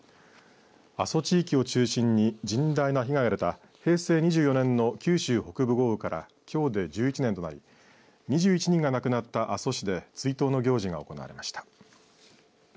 阿蘇地域を中心に甚大な被害が出た平成２４年の九州北部豪雨からきょうで１１年となり２１人が亡くなった阿蘇市で追悼の行事が行われました。